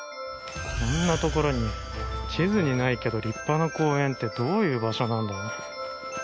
こんな所に地図にないけど立派な公園ってどういう場所なんだ？